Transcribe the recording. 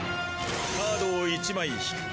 カードを１枚引く。